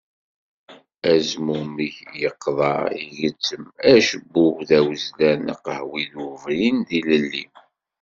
Azmumeg yeqḍeɛ igezzem, acebbub d awezzlan d aqehwi d ubrin, d ilelli.